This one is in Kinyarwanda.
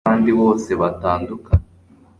he n'abandi bose batandukana